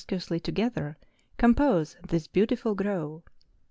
cuously together, compose this beautiful grove.